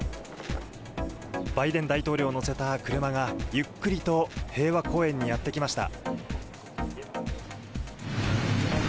バイデン大統領を乗せた車が、ゆっくりと平和公園にやって来ました。